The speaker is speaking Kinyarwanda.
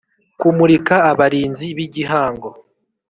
Kumurika Abarinzi b’Igihango.